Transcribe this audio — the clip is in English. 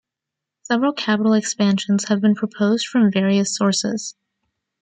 Several capital expansions have been proposed from various sources.